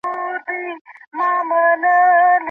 هغه مهال چې پاکې اوبه وکارول شي، وباوې نه پراخېږي.